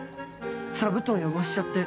座布団汚しちゃって。